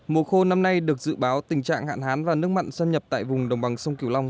mùa khô năm nay được dự báo tình trạng hạn hán và nước mặn xâm nhập tại vùng đồng bằng sông kiều long